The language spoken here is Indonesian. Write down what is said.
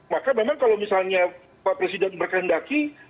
maka memang kalau misalnya pak presiden berkendaki